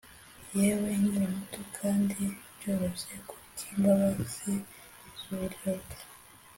yewe nkiri muto kandi byoroshye kubwimbabazi zuburyo bwe,